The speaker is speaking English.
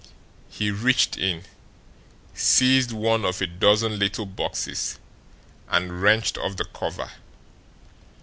He reached in, seized one of a dozen little boxes, and wrenched off the cover.